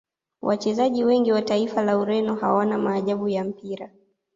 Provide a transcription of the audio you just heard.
wachezaji wengi wa taifa la Ureno hawana maajabu ya mpira